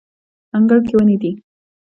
انګړ کې ونې دي